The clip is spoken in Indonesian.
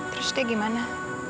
terus dia gimana